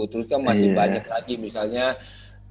terus kan masih banyak lagi misalnya